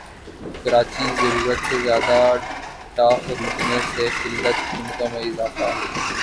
کراچی ضرورت سے زیادہ ٹا خریدنے سے قلت قیمتوں میں اضافہ